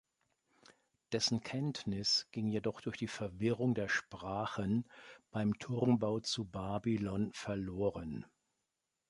Dessen Kenntnis ging jedoch durch die Verwirrung der Sprachen beim Turmbau zu Babylon verloren.